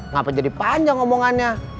ngapain jadi panjang ngomongannya